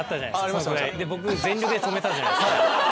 僕全力で止めたじゃないですか。